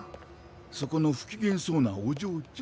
そこの不機嫌そうなおじょうちゃん。